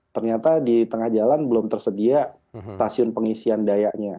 ternyata di tengah jalan belum tersedia stasiun pengisian dayanya